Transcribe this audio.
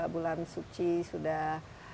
bulan suci sudah